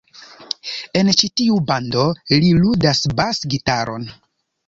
En ĉi-tiu bando, li ludas bas-gitaron.